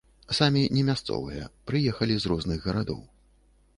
Самі не мясцовыя, прыехалі з розных гарадоў.